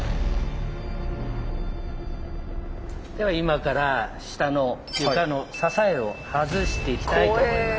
では今から下の床の支えを外していきたいと思います。